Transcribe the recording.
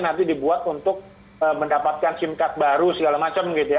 nanti dibuat untuk mendapatkan sim card baru segala macam gitu ya